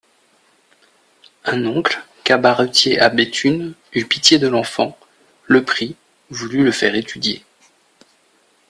Un oncle, cabaretier à Béthune, eut pitié de l'enfant, le prit, voulut le faire étudier.